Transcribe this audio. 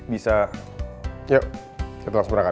bisa yuk kita harus berangkat